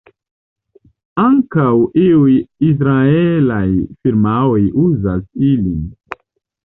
Ankaŭ iuj israelaj firmaoj uzas ilin.